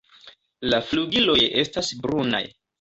La flugiloj estas brunaj.